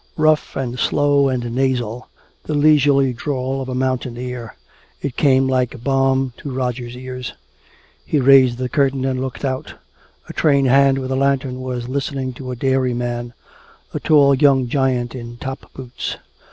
Rough and slow and nasal, the leisurely drawl of a mountaineer, it came like balm to Roger's ears. He raised the curtain and looked out. A train hand with a lantern was listening to a dairy man, a tall young giant in top boots.